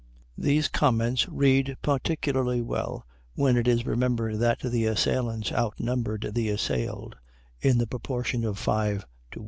These comments read particularly well when it is remembered that the assailants outnumbered the assailed in the proportion of 5 to 1.